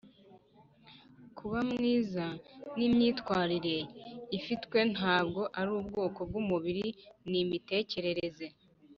kuba mwizav ni imyifatire ifitwe ntabwo ari ubwoko bwumubiri. ni imitekerereze.